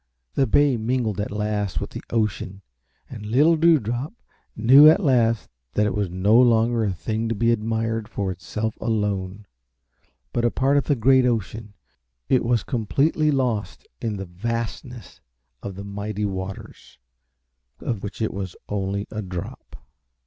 The bay mingled at last with the ocean and little Dewdrop knew at last that it was no longer a thing to be admired for itself alone, but a part of the great ocean. It was completely lost in the vastness of the mighty waters of which it was only a drop.